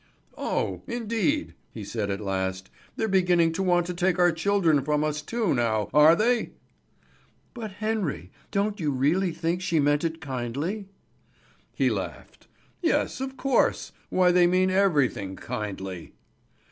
"Oh, indeed!" he said at last. "They're beginning to want to take our children from us too now, are they?" "But Henry, don't you really think she meant it kindly?" He laughed. "Yes, of course! Why they mean everything kindly."